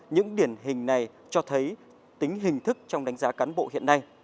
những điển hình này cho thấy tính hình thức trong đánh giá cán bộ hiện nay